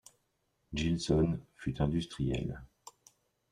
Gilson fut industriel.